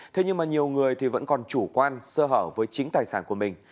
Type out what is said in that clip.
thế nhưng mà nhiều người thì vẫn còn chủ quan sơ hở với chính tài sản của mình